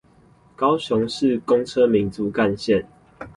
高雄市公車民族幹線